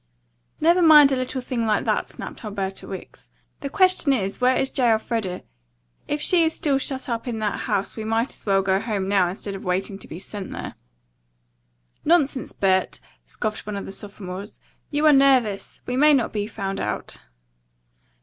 "Never mind a little thing like that," snapped Alberta Wicks. "The question is, where is J. Elfreda? If she is still shut up in that house we might as well go home now instead of waiting to be sent there." "Nonsense, Bert," scoffed one of the sophomores. "You are nervous. We may not be found out."